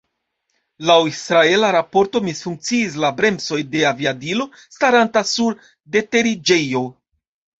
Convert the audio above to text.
Laŭ israela raporto misfunkciis la bremsoj de aviadilo staranta sur deteriĝejo.